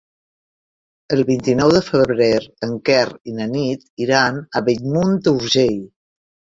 El vint-i-nou de febrer en Quer i na Nit iran a Bellmunt d'Urgell.